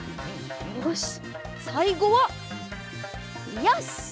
よしさいごはよし！